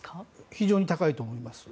非常に高いと思います。